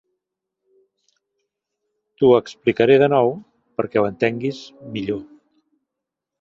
T'ho explicaré de nou perquè ho entenguis millor.